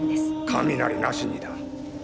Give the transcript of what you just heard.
雷なしにだ。